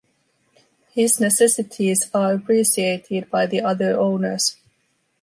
His necessities are appreciated by the other owners.